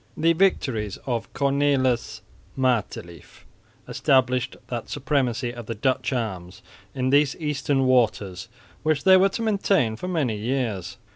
The victories of Cornelis Matelief established that supremacy of the Dutch arms in these eastern waters which they were to maintain for many years.